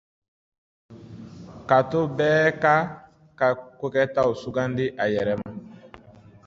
- k’a to bɛɛ k’a ka kokɛta sugandi a yɛrɛ ma ;